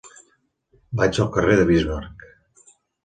Vaig al carrer de Bismarck.